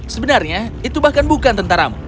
sebenarnya itu bahkan bukan tentaramu